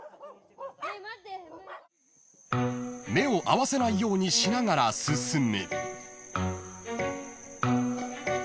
［目を合わせないようにしながら進む］